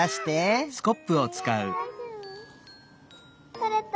とれた。